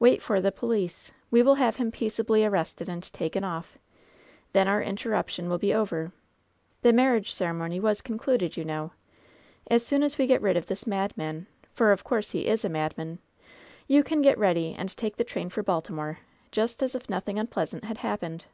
Wait for the police. We will have him peaceably arrested and taken off. Then our interrup tion will be over* The marriage ceremony was con cluded, you know. As soon as we get rid of this mad man — for of course he is a madman — ^you can get ready and take the train for Baltimore, just as if nothing im pleasant had happened."